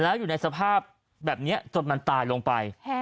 แล้วอยู่ในสภาพแบบนี้จนมันตายลงไป